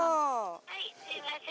「はいすいません」